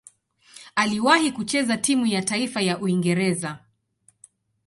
Aliwahi kucheza timu ya taifa ya Uingereza.